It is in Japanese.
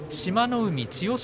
海、千代翔